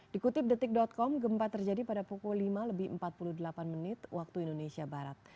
dikutip detik com gempa terjadi pada pukul lima lebih empat puluh delapan menit waktu indonesia barat